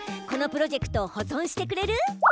このプロジェクトを保存してくれる？